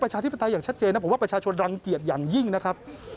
ประชาธิปไตยอย่างชัดเจนนะผมว่าประชาชนรังเกียจอย่างยิ่งนะครับ